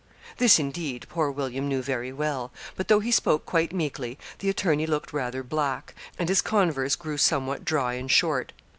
This indeed, poor William knew very well. But though he spoke quite meekly, the attorney looked rather black, and his converse grew somewhat dry and short.